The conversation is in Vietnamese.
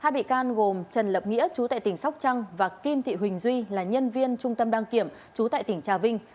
hai bị can gồm trần lập nghĩa chú tại tỉnh sóc trăng và kim thị huỳnh duy là nhân viên trung tâm đăng kiểm trú tại tỉnh trà vinh